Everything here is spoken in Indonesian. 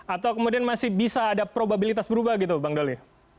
atau kemudian masih bisa ada probabilitas berubah gitu bang doli